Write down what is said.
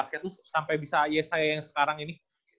dalam karir basket tuh sampai bisa ay saya yang sekarang ini